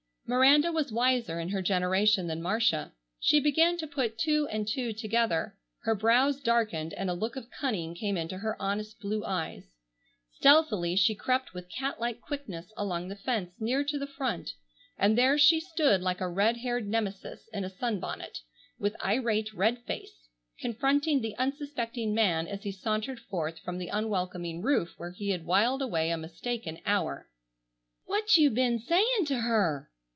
Miranda was wiser in her generation than Marcia. She began to put two and two together. Her brows darkened, and a look of cunning came into her honest blue eyes. Stealthily she crept with cat like quickness along the fence near to the front, and there she stood like a red haired Nemesis in a sunbonnet, with irate red face, confronting the unsuspecting man as he sauntered forth from the unwelcoming roof where he had whiled away a mistaken hour. "What you ben sayin' to her?"